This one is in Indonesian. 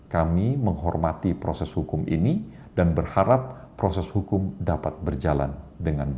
kami menghormati proses hukum ini dan berharap proses hukum dapat berjalan dengan baik